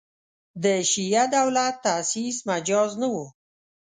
د شیعه دولت تاسیس مجاز نه وو.